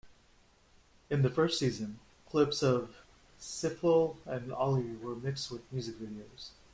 In the first season, clips of Sifl and Olly were mixed with music videos.